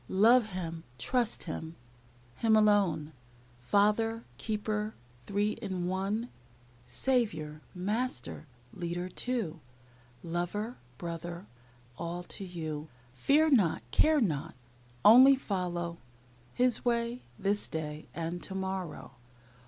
Love Him, trust Him, Him alone; Father, Keeper, Three in One. Saviour, Master, Leader, too; Lover, Brother, ALL to you. Fear not, care not, Only follow His way, this day, And to morrow.